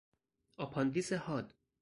آپاندیس حاد